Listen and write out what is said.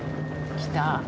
来た。